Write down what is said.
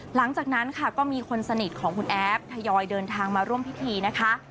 หลังจากนั้นค่ะก็มีคนสนิทของคุณแอฟทยอยเดินทางมาร่วมพิธีนะคะ